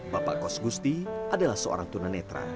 bapak kos gusti adalah seorang tunanetra